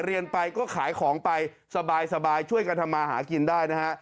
เรียนไปก็ขายของไปสบายช่วยกันทำมาหากินได้นะฮะ